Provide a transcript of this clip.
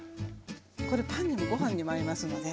これパンにもご飯にも合いますので。